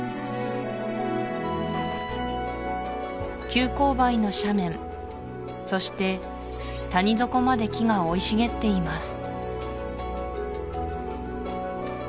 急勾配の斜面そして谷底まで木が生い茂っています